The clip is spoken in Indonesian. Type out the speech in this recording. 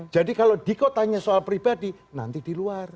jadi kalau diko tanya soal pribadi nanti di luar